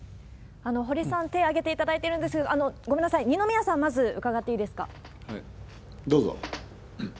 堀さん、手挙げていただいてるんですが、ごめんなさい、二宮さん、まず伺どうぞ。